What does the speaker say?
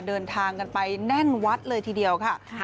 เดินทางกันไปแน่นวัดเลยทีเดียวค่ะ